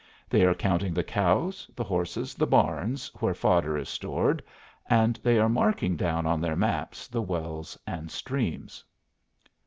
They are counting the cows, the horses, the barns where fodder is stored; and they are marking down on their maps the wells and streams."